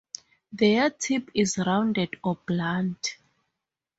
Their tip is rounded or blunt.